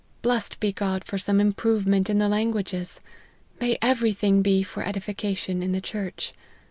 Blessed be God for some improvement in the languages ! May every thing be for edification in the church